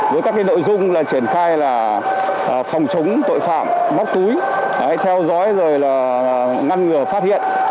với các nội dung triển khai là phòng chống tội phạm móc túi theo dõi rồi là ngăn ngừa phát hiện